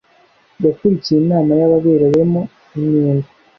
Yakurikiye inama y ababerewemo imyenda